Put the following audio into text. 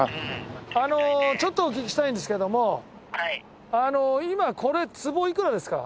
あのちょっとお聞きしたいんですけども今これ坪いくらですか？